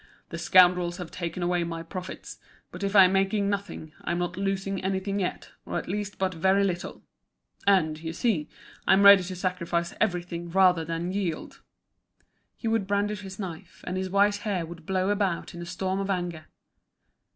"The scoundrels have taken away my profits; but if I'm making nothing I'm not losing anything yet, or at least but very little. And, you see, I'm ready to sacrifice everything rather than yield." He would brandish his knife, and his white hair would blow about in a storm of anger.